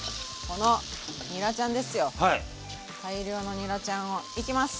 大量のにらちゃんをいきます！